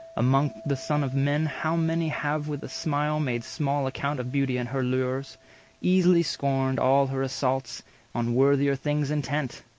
Among the sons of men How many have with a smile made small account Of beauty and her lures, easily scorned All her assaults, on worthier things intent!